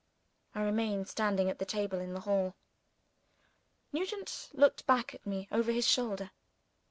I remained standing at the table in the hall. Nugent looked back at me, over his shoulder.